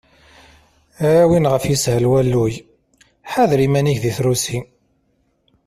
A win ɣef yeshel walluy, ḥader iman-ik di trusi!